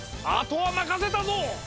あとはまかせたぞ！